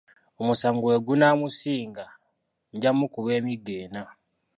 Omusango bwe gunaamusinga nja mukuba emiggo ena.